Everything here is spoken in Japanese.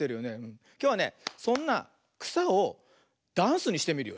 きょうはねそんなくさをダンスにしてみるよ。